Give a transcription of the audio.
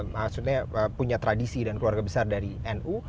maksudnya punya tradisi dan keluarga besar dari nu